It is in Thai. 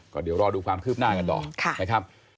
ก่อนเดี๋ยวรอดูความคืบหน้ากันหรอ